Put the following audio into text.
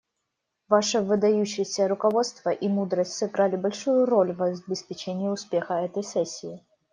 Ваше выдающееся руководство и мудрость сыграли большую роль в обеспечении успеха этой сессии.